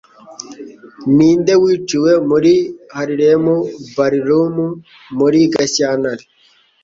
Ninde Wiciwe Muri Harlem Ballroom Muri Gashyantare